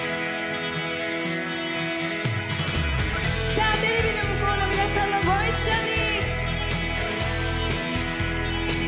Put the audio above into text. さあ、テレビの向こうの皆さんもご一緒に！